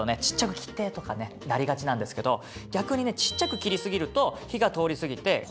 ちっちゃく切ってとかなりがちなんですけど逆にねちっちゃく切り過ぎると火が通り過ぎてこのレバーの香りが出ちゃうんですね。